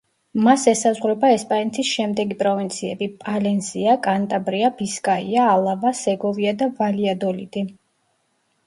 მას ესაზღვრება ესპანეთის შემდეგი პროვინციები: პალენსია, კანტაბრია, ბისკაია, ალავა, სეგოვია და ვალიადოლიდი.